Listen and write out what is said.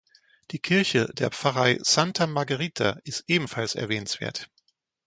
Die Kirche der Pfarrei Santa Margherita ist ebenfalls erwähnenswert.